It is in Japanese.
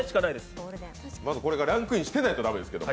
まずこれがランクインしてないとだめですけど。